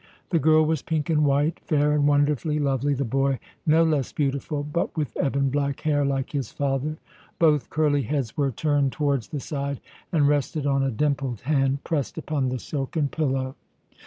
The girl was pink and white, fair and wonderfully lovely; the boy no less beautiful, but with ebon black hair, like his father. Both curly heads were turned towards the side, and rested on a dimpled hand pressed upon the silken pillow.